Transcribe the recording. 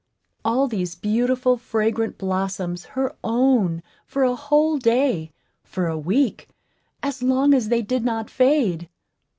All these beautiful, fragrant blossoms her own for a whole day for a week as long as they did not fade!